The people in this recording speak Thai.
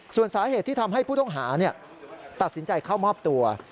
ส่วนสาเหตุที่ทำให้ผู้ต้องหาตัดสินใจเข้ามอบตัว